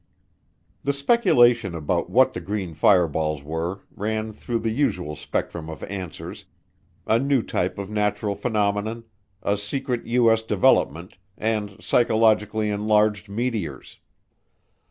The speculation about what the green fireballs were ran through the usual spectrum of answers, a new type of natural phenomenon, a secret U.S. development, and psychologically enlarged meteors.